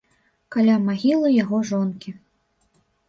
Каля магілы яго жонкі.